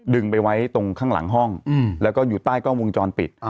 ไปไว้ตรงข้างหลังห้องแล้วก็อยู่ใต้กล้องวงจรปิด